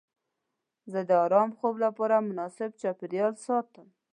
زه د ارام خوب لپاره مناسب چاپیریال ساتم.